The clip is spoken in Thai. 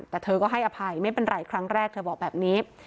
แต่เธอก็ให้อภัยไม่เป็นไรครั้งแรกเธอบอกแบบนี้